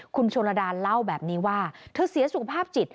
คุณชนระดาเล่าแบบนี้ว่าเธอเสียสุขภาพจิต